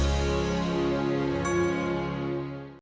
jangan lupa untuk mencoba